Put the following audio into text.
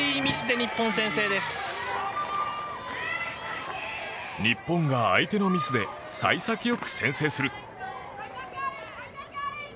日本が相手のミスで幸先よく先制する。